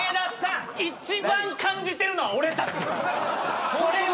一番感じてるのは俺たちそれは。